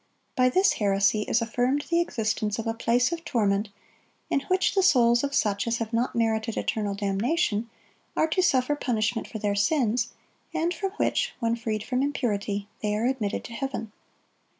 By this heresy is affirmed the existence of a place of torment, in which the souls of such as have not merited eternal damnation are to suffer punishment for their sins, and from which, when freed from impurity, they are admitted to heaven.